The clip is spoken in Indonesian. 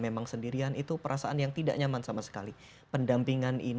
memang sendirian itu perasaan yang tidak nyaman sama sekali pendampingan ini ada untuk paling